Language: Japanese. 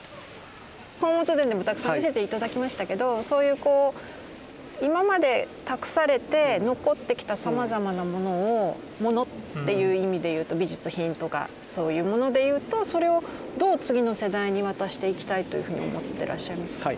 宝物殿でもたくさん見せて頂きましたけどそういうこう今まで託されて残ってきたさまざまなものを物っていう意味で言うと美術品とかそういうもので言うとそれをどう次の世代に渡していきたいというふうに思ってらっしゃいますか？